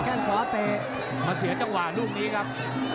เมื่อเสียจังหวานรูปนี้ครับ